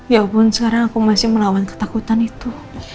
ya pun sekarang aku masih melawan ketakutan itu